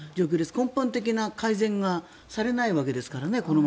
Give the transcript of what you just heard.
根本的な改善がこのままではされないわけですからね。